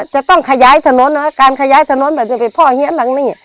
จะต้องขยายถนนเนอะการขยายถนนมันจะเป็นพ่อเหี้ยนหลังนี้